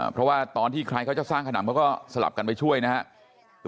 เพราะว่าตอนที่ใครเขาจะสร้างขนำเขาก็สลับกันไปช่วยนะครับ